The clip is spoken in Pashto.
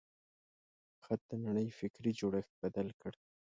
خط د نړۍ فکري جوړښت بدل کړ.